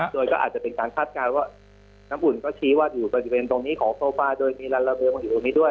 โดยก็อาจจะเป็นการคาดการณ์ว่าน้ำอุ่นก็ชี้ว่าอยู่บริเวณตรงนี้ของโซฟาโดยมีลาลาเบลมาอยู่ตรงนี้ด้วย